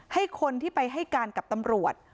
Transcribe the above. ให้คนที่ไปให้การกับตำรวจ